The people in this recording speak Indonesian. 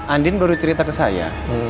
andin baru cerita ke saya